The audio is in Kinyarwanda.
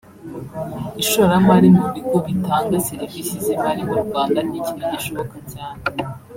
Ishoramari mu bigo bitanga serivisi z’imari mu Rwanda ni ikintu gishoboka cyane